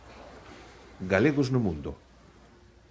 Galegos no mundo.